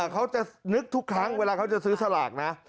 เขาจะนึกทุกครั้งเวลาเขาจะซื้อสลากนะ